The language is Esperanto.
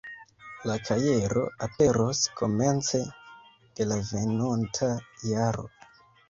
La kajero aperos komence de la venonta jaro.